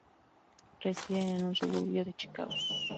Residen en un suburbio de Chicago.